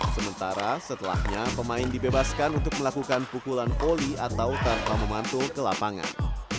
sementara setelahnya pemain dibebaskan untuk melakukan pukulan volley atau tanpa memantul ke lapangan